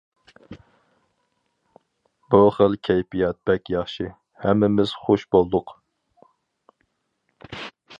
بۇ خىل كەيپىيات بەك ياخشى، ھەممىمىز خۇش بولدۇق.